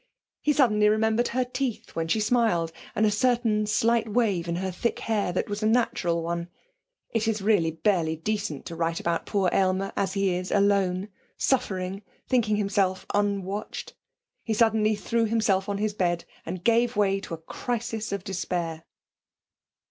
He suddenly remembered her teeth when she smiled, and a certain slight wave in her thick hair that was a natural one. It is really barely decent to write about poor Aylmer as he is alone, suffering, thinking himself unwatched. He suddenly threw himself on his bed and gave way to a crisis of despair.